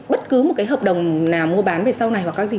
bất cứ một cái hợp đồng nào mua bán về sau này hoặc các gì